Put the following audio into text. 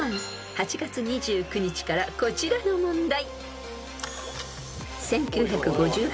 ［８月２９日からこちらの問題］